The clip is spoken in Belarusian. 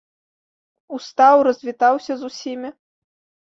Устаў, развітаўся з усімі.